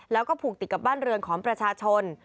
แล้วก็ผูกติดกับบ้านเรือนของประชาชน